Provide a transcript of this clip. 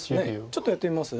ちょっとやってみます？